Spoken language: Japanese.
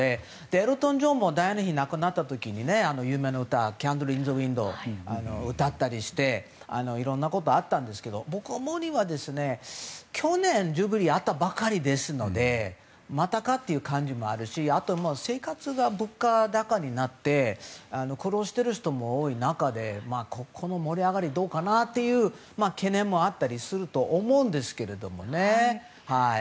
エルトン・ジョンもダイアナ妃が亡くなった時に有名な歌を歌ったりしていろんなことあったんですけど去年、ジュビリーがあったばかりですのでまたかという感じですし物価高になって苦労している人も多い中でここの盛り上がりどうかなっていう懸念もあったりすると思うんですけどね。